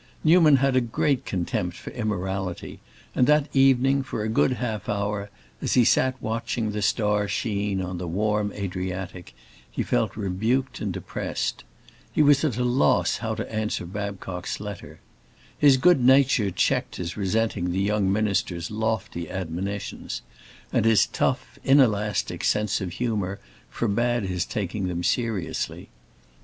Newman had a great contempt for immorality, and that evening, for a good half hour, as he sat watching the star sheen on the warm Adriatic, he felt rebuked and depressed. He was at a loss how to answer Babcock's letter. His good nature checked his resenting the young minister's lofty admonitions, and his tough, inelastic sense of humor forbade his taking them seriously.